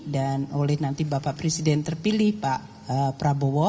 dan oleh nanti bapak presiden terpilih pak prabowo